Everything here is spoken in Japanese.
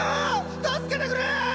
助けてくれ！